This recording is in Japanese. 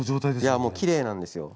いやもうきれいなんですよ。